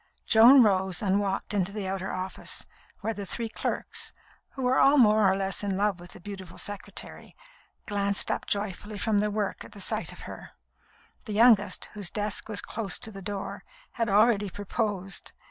Joan rose and walked into the outer office, where the three clerks, who were all more or less in love with the beautiful secretary, glanced up joyfully from their work at sight of her. The youngest, whose desk was close to the door, had already proposed.